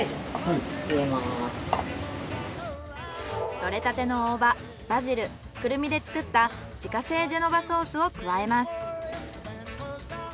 採れたての大葉バジルクルミで作った自家製ジェノバソースを加えます。